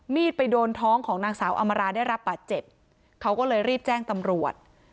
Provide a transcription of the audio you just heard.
ไปโดนท้องของนางสาวอำมาราได้รับบาดเจ็บเขาก็เลยรีบแจ้งตำรวจ